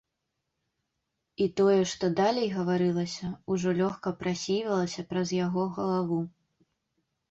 І тое, што далей гаварылася, ужо лёгка прасейвалася праз яго галаву.